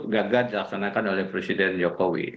gagal dilaksanakan oleh presiden jokowi